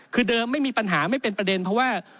คือเดิมไม่มีปัญหาไม่เป็นประเด็นเพราะว่า